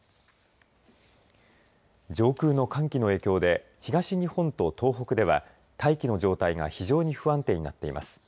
上空の寒気の影響で東日本と東北では大気の状態が非常に不安定になっています。